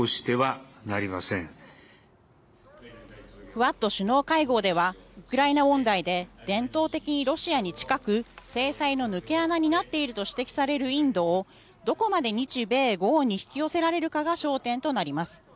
クアッド首脳会合ではウクライナ問題で伝統的にロシアに近く制裁の抜け穴になっていると指摘されるインドをどこまで日米豪に引き寄せられるかが焦点となります。